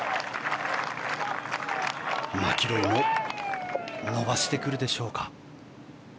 マキロイも伸ばしてくるでしょうか。